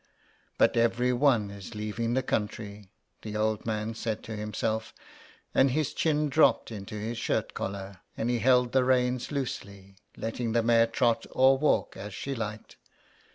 '' But every one is leaving the country," the old man said to himself, and his chin dropped into his shirt collar, and he held the reins loosely, letting the mare trot or walk as she liked.